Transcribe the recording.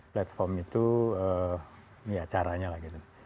platform itu ya caranya lah gitu